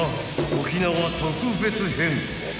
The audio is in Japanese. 沖縄特別編］